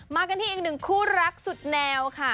กันที่อีกหนึ่งคู่รักสุดแนวค่ะ